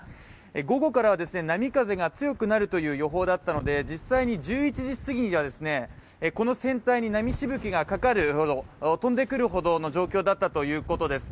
午後からは波風が強くなるという予報だったので、実際に１１時すぎにはこの船体に波しぶきがかかるほど、飛んでくるほどの状況だったということです。